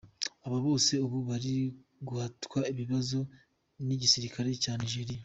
Abo bose ubu bari guhatwa ibibazo n’igisirikare cya Nigeria.